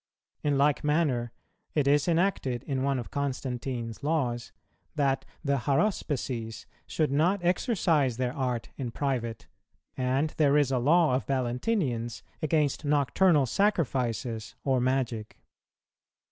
[234:5] In like manner, it is enacted in one of Constantine's Laws that the Haruspices should not exercise their art in private; and there is a law of Valentinian's against nocturnal sacrifices or magic.